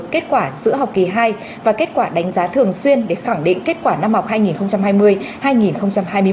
kết quả giữa học kỳ hai và kết quả đánh giá thường xuyên để khẳng định kết quả năm học hai nghìn hai mươi hai nghìn hai mươi một